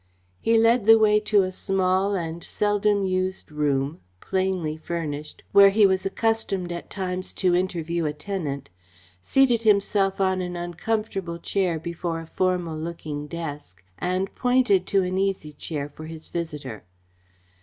He led the way to a small and seldom used room, plainly furnished, where he was accustomed at times to interview a tenant, seated himself on an uncomfortable chair before a formal looking desk, and pointed to an easy chair for his visitor.